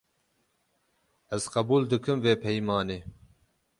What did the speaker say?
Ez qebûl dikim vê peymanê.